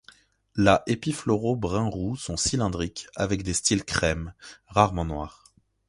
La épis floraux brun roux sont cylindriques avec des styles crème, rarement noirs.